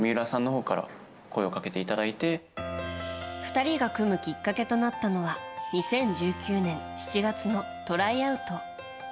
２人が組むきっかけとなったのは２０１９年７月のトライアウト。